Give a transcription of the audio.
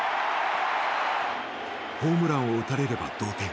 ホームランを打たれれば同点。